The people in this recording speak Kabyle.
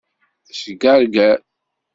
Sgerger.